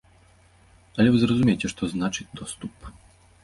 Але вы зразумейце, што значыць доступ.